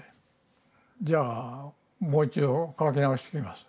「じゃあもう一度書き直してきます」。